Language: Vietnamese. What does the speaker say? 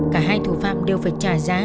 cả hai thủ phạm đều phải trả giá